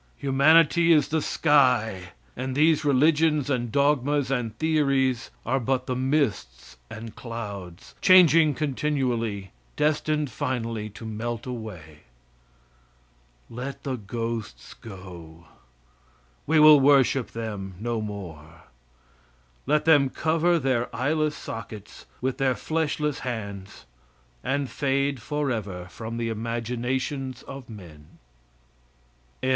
Humanity is the sky, and these religions and dogmas and theories are but the mists and clouds, changing continually, destined finally to melt away. Let the ghosts go. We will worship them no more. Let them cover their eyeless sockets with their fleshless hands, and fade forever from the imaginations of men.